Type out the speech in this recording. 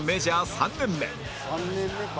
「３年目か」